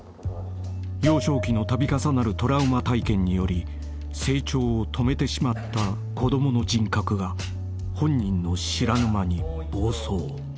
［幼少期の度重なるトラウマ体験により成長を止めてしまった子供の人格が本人の知らぬ間に暴走］